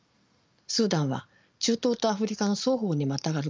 スーダンは中東とアフリカの双方にまたがる国です。